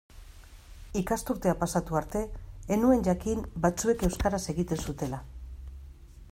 Ikasturtea pasatu arte ez nuen jakin batzuek euskaraz egiten zutela.